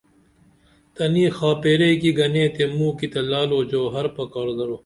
تنی خاپیرئی کی گنے تے موکی تہ لعل و جوہر پکار درو